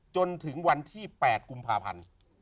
จนถึงวันที่๘กุมภาพันธ์